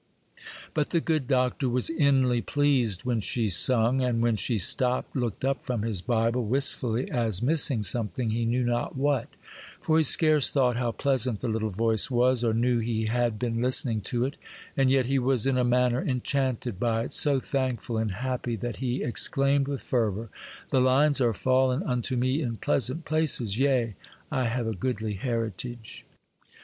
But the good Doctor was inly pleased when she sung; and when she stopped, looked up from his Bible wistfully, as missing something, he knew not what; for he scarce thought how pleasant the little voice was, or knew he had been listening to it,—and yet he was in a manner enchanted by it, so thankful and happy that he exclaimed with fervour, 'The lines are fallen unto me in pleasant places; yea, I have a goodly heritage.